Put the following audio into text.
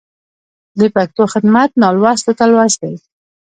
د پښتو خدمت نالوستو ته لوست دی.